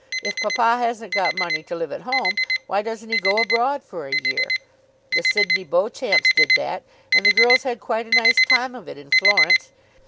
If papa hasn't got money to live at home, why doesn't he go abroad for a year? The Sydney Beauchamps did that, and the girls had quite a nice time of it in Florence.